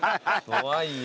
怖いよ。